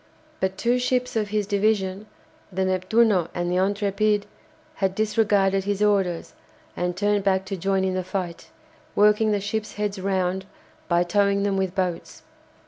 But two ships of his division, the "Neptuno" and the "Intrépide," had disregarded his orders, and turned back to join in the fight, working the ships' heads round by towing them with boats.